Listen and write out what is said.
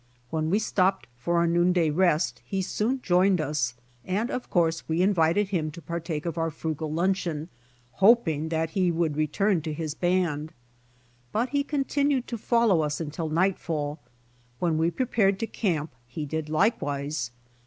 When we stopped for our noon day rest he soon joined us, and of course we invited him to partake of our frugal luncheon, hoping that he would return to band. But he continued to follow us until nightfall. When we prepared to camp he did likewise.